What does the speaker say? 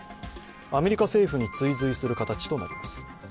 アメリカ政府に追随する形となります。